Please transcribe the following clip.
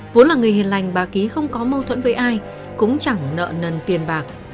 vốn là người hiền lành bà ký không có mâu thuẫn với ai cũng chẳng nợ nần tiền bạc